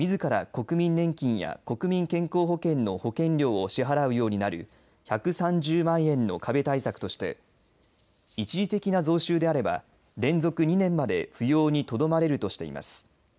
国民年金や国民健康保険の保険料を支払うようになる１３０万円の壁対策として一時的な増収であれば連続２年まで扶養にとどまれるとしています。